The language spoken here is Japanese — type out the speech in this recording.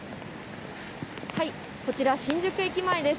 こちら新宿駅前です。